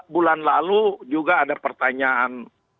bulan lalu juga ada pertanyaan